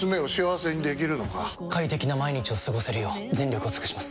快適な毎日を過ごせるよう全力を尽くします！